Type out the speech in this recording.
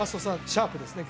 シャープですね